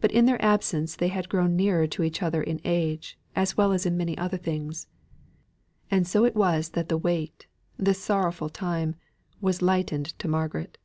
But in their absence they had grown nearer to each other in age, as well as in many other things. And so it was that the weight, this sorrowful time, was lightened to Margaret.